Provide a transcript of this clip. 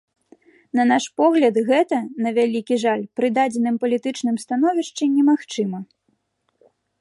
На наш погляд гэта, на вялікі жаль, пры дадзеным палітычным становішчы немагчыма.